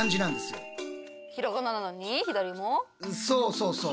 そうそうそう。